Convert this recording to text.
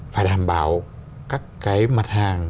phải đảm bảo các cái mặt hàng